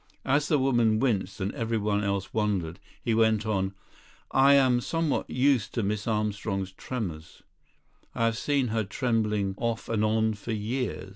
As the woman winced and everyone else wondered, he went on: "I am somewhat used to Miss Armstrong's tremors. I have seen her trembling off and on for years.